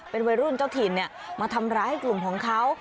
เป็นวัยรุ่นเจ้าถิ่นมาทำร้ายกลุ่มของเขา